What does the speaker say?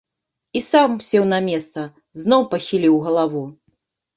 І сам сеў на месца, зноў пахіліў галаву.